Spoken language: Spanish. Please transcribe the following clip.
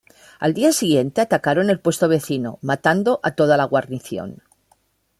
Al día siguiente atacaron el puesto vecino, matando a toda la guarnición.